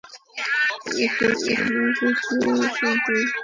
একসময় রেডিও শুনতাম।